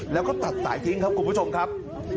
แล้วก็ตัดสายทิ้งครับคุณผู้ชมครับ